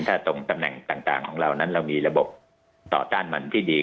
ถ้าตรงตำแหน่งต่างของเรานั้นเรามีระบบต่อต้านมันที่ดี